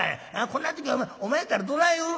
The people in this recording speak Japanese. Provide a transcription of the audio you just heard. こんな時お前やったらどない言う？」。